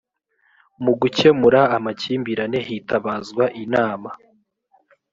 mu gukemura amakimbirane, hitabazwa inama